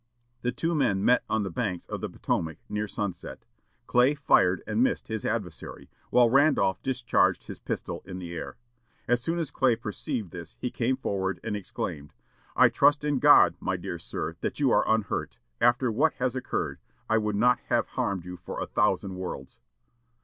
The two men met on the banks of the Potomac, near sunset. Clay fired and missed his adversary, while Randolph discharged his pistol in the air. As soon as Clay perceived this he came forward and exclaimed, "I trust in God, my dear sir, that you are unhurt; after what has occurred, I would not have harmed you for a thousand worlds."